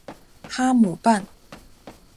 哈姆畔。